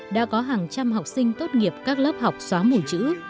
đã có hàng trăm học sinh tốt nghiệp các lớp học xóa mùi chữ